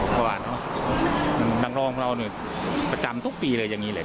ก็อาจจะนางรองเราเนี่ยประจำทุกปีเลยอย่างนี้แหละ